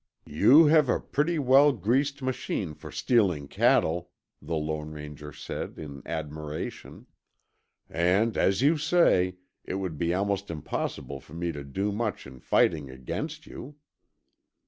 "You have a pretty well greased machine for stealing cattle," the Lone Ranger said in admiration, "and as you say, it would be almost impossible for me to do much in fighting against you."